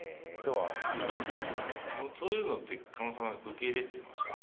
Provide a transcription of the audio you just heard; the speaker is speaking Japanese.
そういうのって狩野さんは受け入れていましたか？